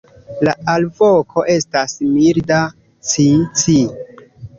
La alvoko estas milda "ci-ci".